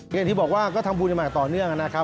อย่างที่บอกว่าก็ทำบุญกันมาต่อเนื่องนะครับ